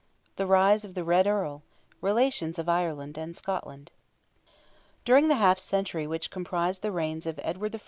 THE RISE OF "THE RED EARL"—RELATIONS OF IRELAND AND SCOTLAND. During the half century which comprised the reigns of Edward I.